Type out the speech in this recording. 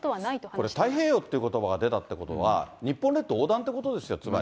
これ、太平洋ということばが出たということは、日本列島横断ということですよ、つまり。